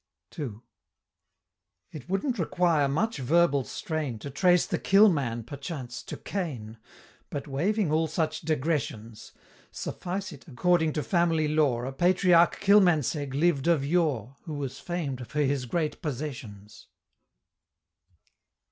II. It wouldn't require much verbal strain To trace the Kill man, perchance, to Cain; But, waiving all such digressions, Suffice it, according to family lore, A Patriarch Kilmansegg lived of yore, Who was famed for his great possessions.